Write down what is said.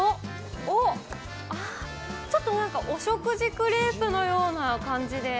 おっ、ちょっとなんかお食事クレープのような感じで。